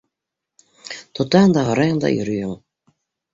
— Тотаһың да һорайһың да йөрөйһөң.